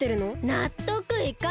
なっとくいかない！